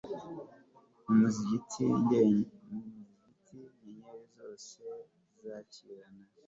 mumusingize, nyenyeri zose zakirana